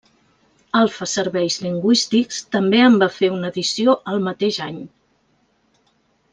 Alfa Serveis Lingüístics també en va fer una edició el mateix any.